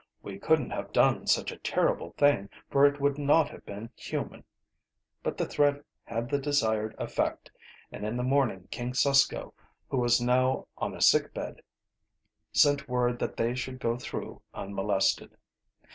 "We couldn't have done such a terrible thing, for it would not have been human." But the threat had the desired effect, and in the morning King Susko, who was now on a sick bed, sent word that they should go through unmolested.